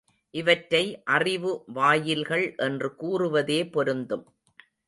இவற்றை அறிவு வாயில்கள் என்று கூறுவதே பொருந்தும்.